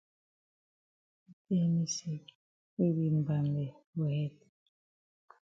Yi tell me say yi be mbambe for head.